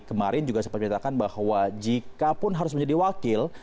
kemarin juga sempat menyatakan bahwa jikapun harus menjadi wakil